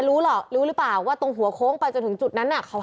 รู้หรอกรู้หรือเปล่าว่าตรงหัวโค้งไปจนถึงจุดนั้นน่ะเขา